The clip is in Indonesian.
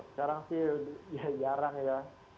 sekarang sih jarang ya